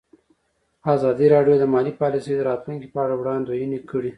ازادي راډیو د مالي پالیسي د راتلونکې په اړه وړاندوینې کړې.